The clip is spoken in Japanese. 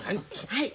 はい！